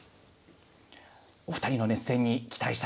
お二人の熱戦に期待したいと思います。